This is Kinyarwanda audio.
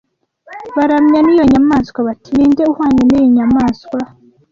baramya n’iyo nyamaswa bati “Ni nde uhwanye n’iyi nyamaswa,